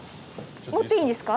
持っていいんですか？